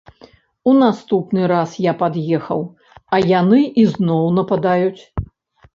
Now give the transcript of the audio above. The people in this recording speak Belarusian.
У наступны раз я пад'ехаў, а яны ізноў нападаюць.